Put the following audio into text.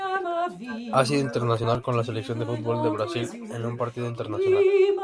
Ha sido internacional con la Selección de fútbol de Brasil en un partido internacional.